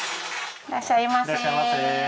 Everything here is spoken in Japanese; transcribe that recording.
いらっしゃいませ。